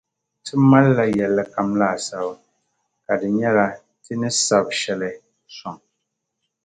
Ti mali la yɛllikam laasabu, ka di nyɛla ti ni sabi shɛli sɔŋ.